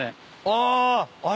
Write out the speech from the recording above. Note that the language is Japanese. あ！